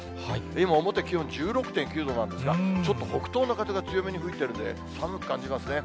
今、表、気温１６．９度なんですが、ちょっと北東の風が強めに吹いてるんで、寒く感じますね。